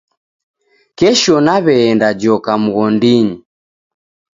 Kesho naw'eenda joka mghondinyi